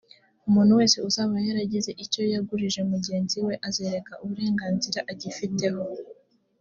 umuntu wese uzaba yaragize icyo yagurije mugenzi we, azareka uburenganzira agifiteho;